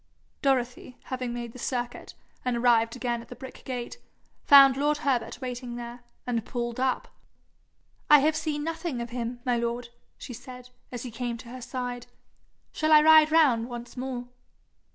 Dorothy, having made the circuit, and arrived again at the brick gate, found lord Herbert waiting there, and pulled up. 'I have seen nothing of him, my lord,' she said, as he came to her side. 'Shall I ride round once more?'